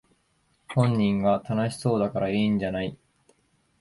本人が楽しそうだからいいんじゃない